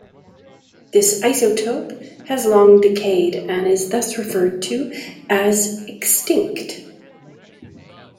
This isotope has long decayed and is thus referred to as "extinct".